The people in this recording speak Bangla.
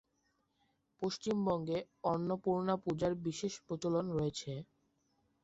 পশ্চিমবঙ্গে অন্নপূর্ণা পূজার বিশেষ প্রচলন রয়েছে।